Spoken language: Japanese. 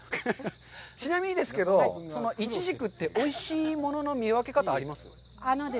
ちなみになんですけど、いちじくって、おいしいものの見分け方って、あります？